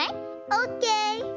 オッケー。